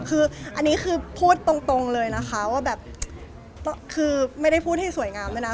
คืออันนี้คือพูดตรงเลยนะคะว่าแบบคือไม่ได้พูดให้สวยงามด้วยนะ